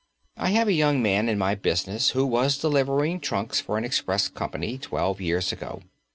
I have a young man in my business who was delivering trunks for an express company twelve years ago.